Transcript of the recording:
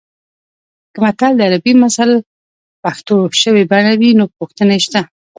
که متل د عربي مثل پښتو شوې بڼه وي نو پوښتنې شته